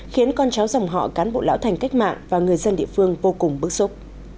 khiến con cháu dòng họ cán bộ lão thành cách mạng và người dân địa phương vô cùng bức xúc